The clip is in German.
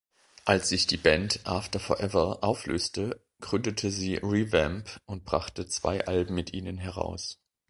Als sich die Band After Forever auflöste, gründete sie ReVamp und brachte zwei Alben mit ihnen heraus.